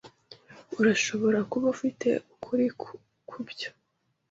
Urashobora kuba ufite ukuri kubyo.